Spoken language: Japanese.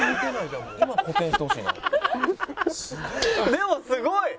でもすごい！